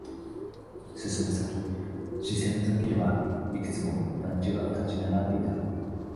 進む先、視線の先にはいくつも団地が立ち並んでいた。